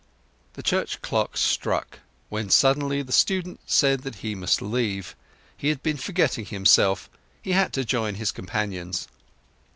The church clock struck, when suddenly the student said that he must leave—he had been forgetting himself—he had to join his companions.